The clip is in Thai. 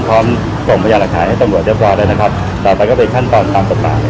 พร้อมกลุ่มพยาประหลักฐานให้ตำรวจเรียบร้อยได้นะครับต่อไปก็เป็นขั้นตอนตามต่อป่าว